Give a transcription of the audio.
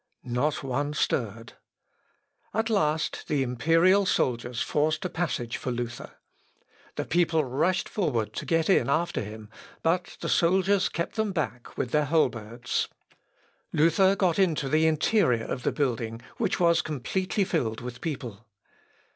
Not one stirred. At last the imperial soldiers forced a passage for Luther. The people rushed forward to get in after him, but the soldiers kept them back with their halberds. Luther got into the interior of the building, which was completely filled with people.